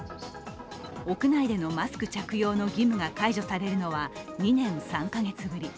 屋内でのマスク着用の義務が解除されるのは２年３か月ぶり。